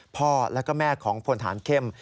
พ่อแล้วก็แม่ของพลฐานเข้ม